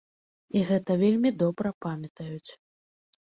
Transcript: І гэта вельмі добра памятаюць.